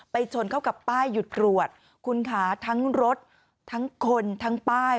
ชนเข้ากับป้ายหยุดตรวจคุณค่ะทั้งรถทั้งคนทั้งป้าย